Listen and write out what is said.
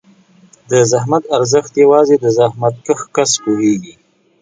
د زحمت ارزښت یوازې زحمتکښ کس پوهېږي.